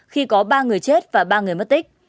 khi có ba người chết và ba người mất tích